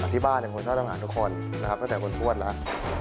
ที่บ้านผมชอบทำอาหารทุกคนตั้งแต่คนชวนแล้ว